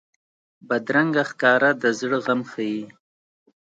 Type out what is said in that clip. بدرنګه ښکاره د زړه غم ښيي